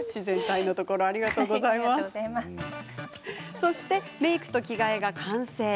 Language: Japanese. そして、メークと着替えが完成。